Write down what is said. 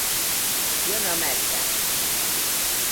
Jön a medve!